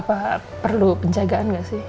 apa perlu penjagaan nggak sih